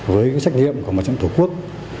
với trách nhiệm của một trận thủ quốc